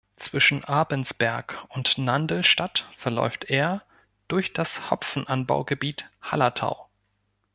Zwischen Abensberg und Nandlstadt verläuft er durch das Hopfenanbaugebiet Hallertau.